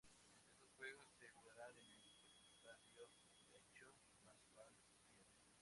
Estos juegos se jugarán en el estadio Taichung Baseball Field.